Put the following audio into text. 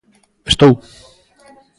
Estou!